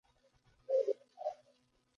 Nothing is known of its habits.